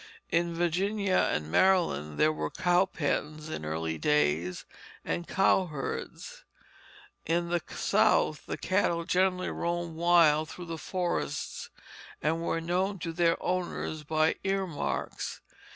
In Virginia and Maryland there were cow pens in early days, and cowherds; but in the South the cattle generally roamed wild through the forests, and were known to their owners by earmarks.